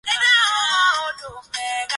Zaidi ya watu kumi waliuawa